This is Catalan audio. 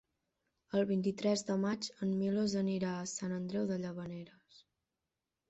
El vint-i-tres de maig en Milos anirà a Sant Andreu de Llavaneres.